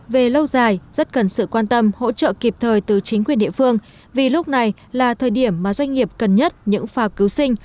về lâu dài rất cần sự quan tâm hỗ trợ kịp thời từ chính quyền địa phương vì lúc này là thời điểm mà doanh nghiệp cần nhất những phao cứu sinh